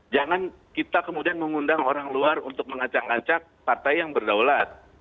jangan kita kemudian mengundang orang luar untuk mengacang acak partai yang berdaulat